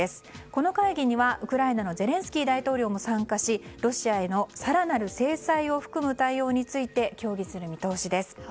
この会議にはウクライナのゼレンスキー大統領も参加しロシアへの更なる制裁を含む対応について協議する見通しです。